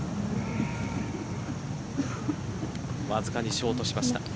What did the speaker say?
わずかにショートしました。